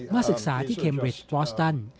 มาศึกษาที่เขมเบริกวอสตาน